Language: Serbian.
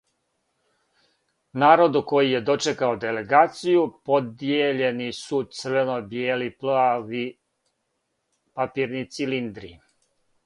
Народу који је дочекао делегацију подијељени су црвено-бијело-плави папирни цилиндри.